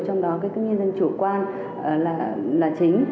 trong đó cái tự nhiên dân chủ quan là chính